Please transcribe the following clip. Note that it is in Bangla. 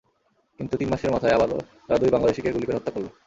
কিন্তু তিন মাসের মাথায় আবারও তারা দুই বাংলাদেশিকে গুলি করে হত্যা করল।